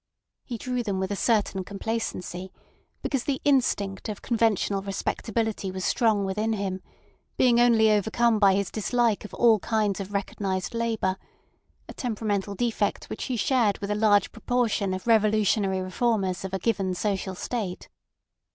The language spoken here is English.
He drew them with a certain complacency, because the instinct of conventional respectability was strong within him, being only overcome by his dislike of all kinds of recognised labour—a temperamental defect which he shared with a large proportion of revolutionary reformers of a given social state.